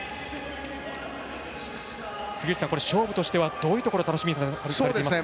勝負としては、どういうところを楽しみにされてますか。